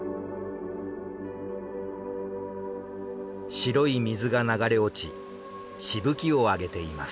白い水が流れ落ちしぶきを上げています。